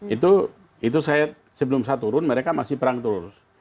itu saya sebelum saya turun mereka masih perang terus